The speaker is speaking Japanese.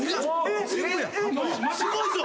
すごいぞ。